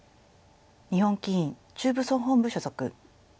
日本棋院中部総本部所属。